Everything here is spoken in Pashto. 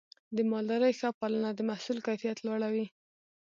د مالدارۍ ښه پالنه د محصول کیفیت لوړوي.